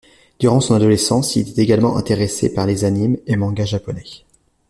Durant son adolescence, il est également intéressé par les anime et manga japonais.